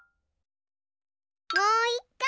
もういっかい！